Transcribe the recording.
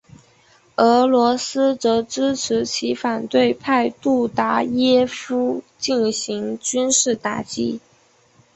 俄罗斯则支持其反对派对杜达耶夫进行军事打击。